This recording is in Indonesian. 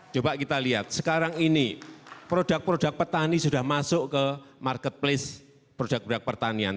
coba kita lihat sekarang ini produk produk petani sudah masuk ke marketplace produk produk pertanian